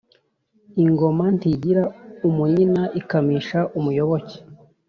Ingoma ntigira umunyina, ikamisha umuyoboke